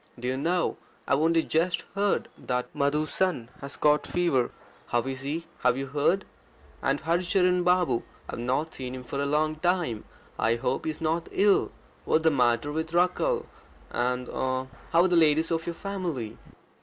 Do you know, I've only just heard that Madhu's son has got fever. How is he? Have you heard? And Hari Charan Babu I've not seen him for a long time I hope he is not ill. What's the matter with Rakkhal? And, er er, how are the ladies of your family?"